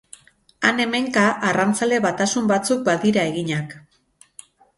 Han-hemenka arrantzale batasun batzuk badira eginak.